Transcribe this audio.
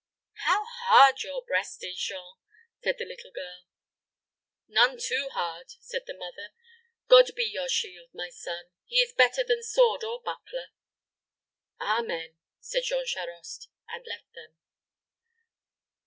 "How hard your breast is, Jean," said the little girl. "None too hard," said the mother. "God be your shield, my son. He is better than sword or buckler." "Amen!" said Jean Charost, and left them.